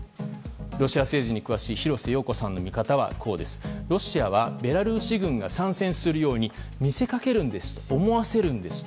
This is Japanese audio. ロシア政治に詳しい廣瀬陽子さんの見方はロシアはベラルーシ軍が参戦するように見せかけるんです思わせるんですと。